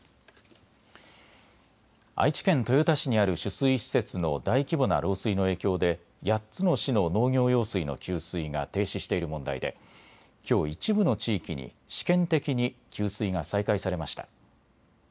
愛知県豊田市にある取水施設の大規模な漏水の影響で８つの市の農業用水の給水が停止している問題できょう一部の地域に試験的に給水が再開されました。